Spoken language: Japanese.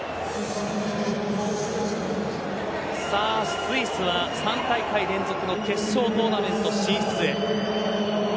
スイスは３大会連続の決勝トーナメント進出へ。